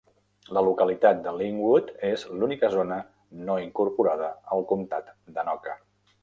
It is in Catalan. La localitat de Linwood és l'única zona no incorporada al comtat d'Anoka.